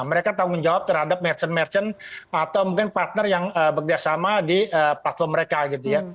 mereka tanggung jawab terhadap merchant merchant atau mungkin partner yang bekerjasama di platform mereka gitu ya